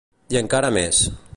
I encara més.